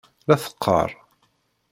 La teqqaṛ.